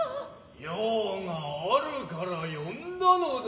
用があるから呼んだのだ。